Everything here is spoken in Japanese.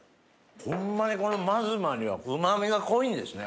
ホンマにこの真妻はうま味が濃いんですね